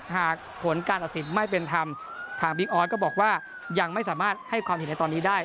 หากผลการตัดสินไม่เป็นธรรมทางบิ๊กออสก็บอกว่ายังไม่สามารถให้ความเห็นในตอนนี้ได้